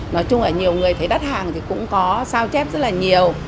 nói chung là nhiều người thấy đắt hàng thì cũng có sao chép rất là nhiều